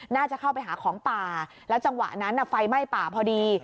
น่าจะเข้าไปหาของป่าแล้วจังหวะนั้นไฟไหม้ป่าพอดี